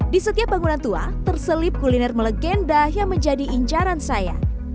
di setiap bangunan tua terselip kuliner melegenda yang menjadi incaran saya